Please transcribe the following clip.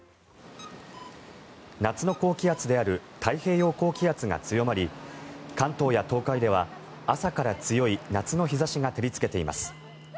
夏の高気圧である太平洋高気圧が強まり関東や東海では朝から強い夏の日差しが照りつけています。